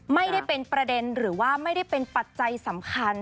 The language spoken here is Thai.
ไม่ได้เป็นประเด็นหรือว่าไม่ได้เป็นปัจจัยสำคัญ